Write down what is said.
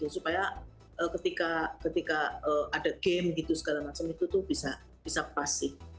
supaya ketika ada game gitu segala macam itu tuh bisa pas sih